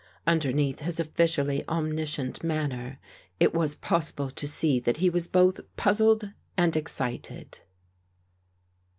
Underneath his officially omniscient manner it was possible to see that he was both puz zled and excited.